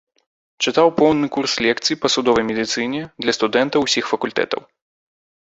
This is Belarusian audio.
Чытаў поўны курс лекцый па судовай медыцыне для студэнтаў усіх факультэтаў.